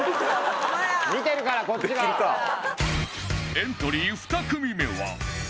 エントリー２組目は